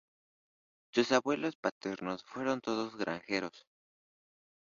Sus abuelos paternos fueron todos granjeros.